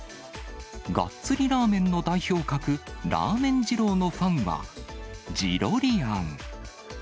がっつりラーメンの代表格、ラーメン二郎のファンはジロリアン。